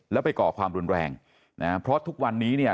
แล้วไปก่อความรุนแรงนะฮะเพราะทุกวันนี้เนี่ย